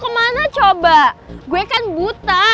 gue mau kemana coba gue kan buta